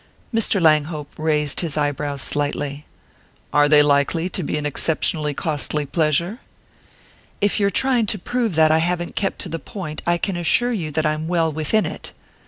Mr. Langhope raised his eyebrows slightly. "Are they likely to be an exceptionally costly pleasure?" "If you're trying to prove that I haven't kept to the point I can assure you that I'm well within it!"